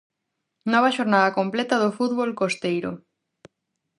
Nova xornada completa do fútbol costeiro.